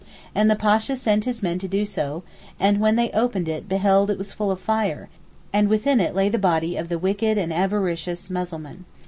And the Pasha sent his men to do so, and when they opened it behold it was full of fire, and within it lay the body of the wicked and avaricious Mussulman.